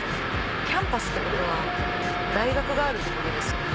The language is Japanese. キャンパスってことは大学があるってことですよね。